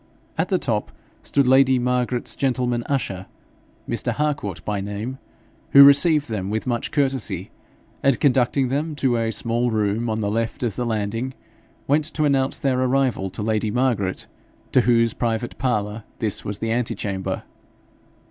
At the top stood lady Margaret's gentleman usher, Mr. Harcourt by name, who received them with much courtesy, and conducting them to a small room on the left of the landing, went to announce their arrival to lady Margaret, to whose private parlour this was the antechamber.